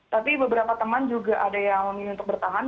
tapi beberapa teman juga ada yang memilih untuk bertahan